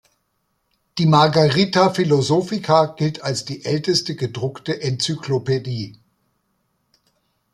Die "Margarita philosophica" gilt als die älteste gedruckte Enzyklopädie.